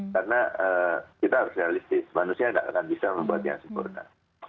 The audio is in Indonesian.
karena kita harus realistis manusia tidak akan bisa membuat yang sempurna